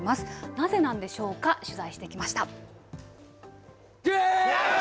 なぜなんでしょうか取材してきました。